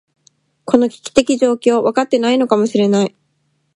この危機的状況、分かっていないのかもしれない。